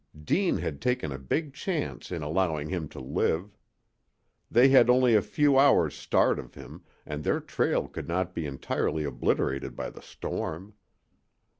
Deane had taken a big chance in allowing him to live. They had only a few hours' start of him, and their trail could not be entirely obliterated by the storm.